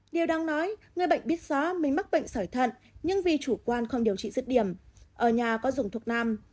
điều đáng nói người bệnh biết rõ mình mất bệnh sỏi thận nhưng vì chủ quan không điều trị dứt điểm ở nhà có dùng thuộc nam